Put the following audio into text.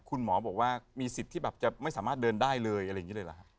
คุณหมอบอกว่ามีสิทธิ์ที่แบบจะไม่สามารถเดินได้เลยอะไรอย่างนี้เลยเหรอฮะ